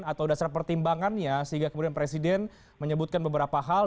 atau dasar pertimbangannya sehingga kemudian presiden menyebutkan beberapa hal